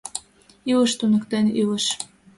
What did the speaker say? — Илыш туныктен, илыш.